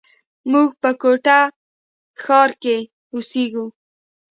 موږ په کوټه ښار کښي اوسېږي.